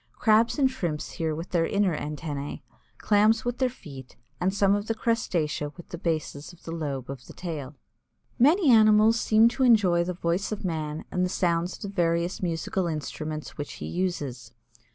Crabs and Shrimps hear with their inner antennæ, Clams with their feet, and some of the crustacea with the bases of the lobe of the tail. Many animals seem to enjoy the voice of man and the sounds of the various musical instruments which he uses.